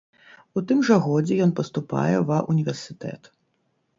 У тым жа годзе ён паступае ва ўніверсітэт.